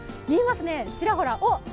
見えますね、ちらほら。